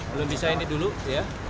belum bisa ini dulu ya